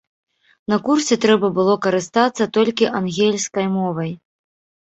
На курсе трэба было карыстацца толькі ангельскай мовай.